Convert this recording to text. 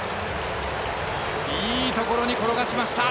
いいところに転がしました。